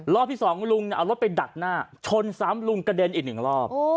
รอบที่สองลุงเอารถไปดักหน้าชนซ้ำลุงกระเด็นอีกหนึ่งรอบ